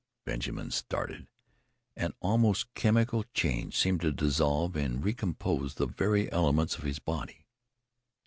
Benjamin started; an almost chemical change seemed to dissolve and recompose the very elements of his body.